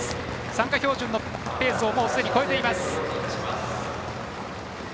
参加標準のペースをもうすでに超えています。